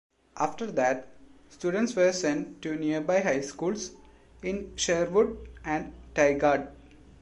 After that, students were sent to nearby high schools in Sherwood and Tigard.